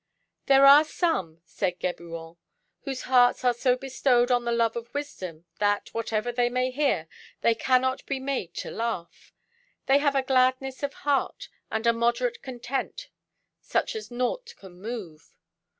"There are some," said Geburon, "whose hearts are so bestowed on the love of wisdom that, whatever they may hear, they cannot be made to laugh. They have a gladness of heart and a moderate content such as nought can move."